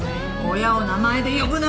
親を名前で呼ぶな！